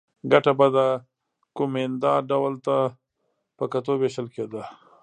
ګټه به د کومېندا ډول ته په کتو وېشل کېده.